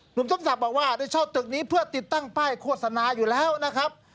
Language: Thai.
สมศักดิ์บอกว่าได้เช่าตึกนี้เพื่อติดตั้งป้ายโฆษณาอยู่แล้วนะครับ